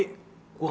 tidur di kamar si ani